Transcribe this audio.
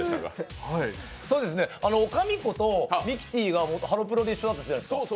かみことミキティがハロプロで一緒じゃないですか。